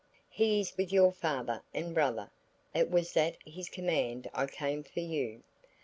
"He is with your father and brother. It was at his command I came for you."